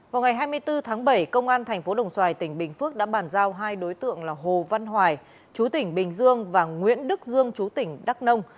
vào ngày hai mươi bốn tháng bảy công an tp đồng xoài tỉnh bình phước đã bàn giao hai đối tượng là hồ văn hoài chú tỉnh bình dương và nguyễn đức dương chú tỉnh đắk nông